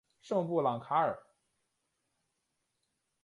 圣布朗卡尔。